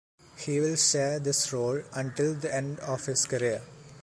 He will share this role until the end of his career.